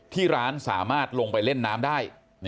ที่ร้านสามารถลงไปเล่นน้ำได้